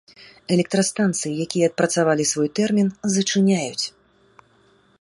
Электрастанцыі, якія адпрацавалі свой тэрмін, зачыняюць.